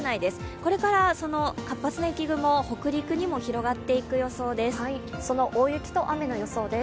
これから、その活発な雪雲、北陸にも広がっていく予想です。